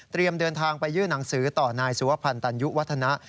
เดินทางไปยื่นหนังสือต่อนายสุวพันธ์ตันยุวัฒนะ